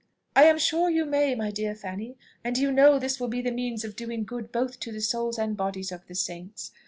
"I am sure you may, my dear Fanny; and you know this will be the means of doing good both to the souls and bodies of the saints.